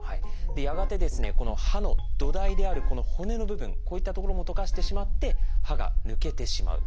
やがてこの歯の土台であるこの骨の部分こういった所も溶かしてしまって歯が抜けてしまう。